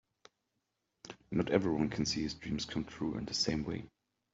Not everyone can see his dreams come true in the same way.